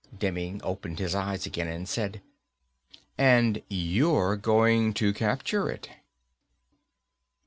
Demming opened his eyes again and said, "And you're going to capture it."